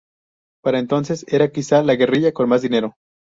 Para entonces era quizá la guerrilla con más dinero.